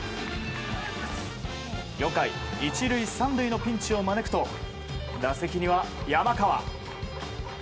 ４回、１塁３塁のピンチを招くと打席には山川。